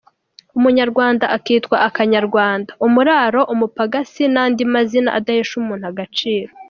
Umunyarwanda akitwa “akanyarwanda”, “umuraro”, “umupagasi” n’andi mazina adahesha umuntu agaciro.